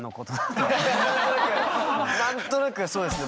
何となくそうですね